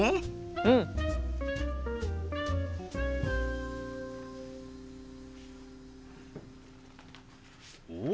うん！おっ！